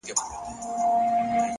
څلوېښتم کال دی ـ